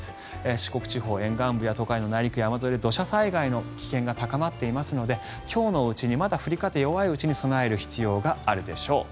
四国地方沿岸部や東海内陸部で土砂災害の危険が高まっていますので今日のうちにまだ降り方が弱いうちに備える必要があるでしょう。